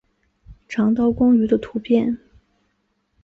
长刀光鱼的图片